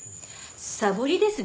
サボりですね。